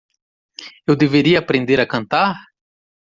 Eu deveria aprender a cantar?